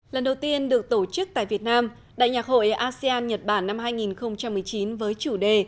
lần đầu tiên được tổ chức tại việt nam đại nhạc hội asean nhật bản năm hai nghìn một mươi chín với chủ đề